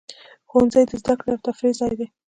ښوونځی د زده کړې او تفریح ځای دی.